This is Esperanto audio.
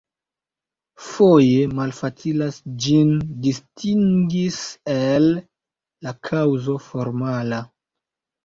Foje malfacilas ĝin distingis el la kaŭzo formala.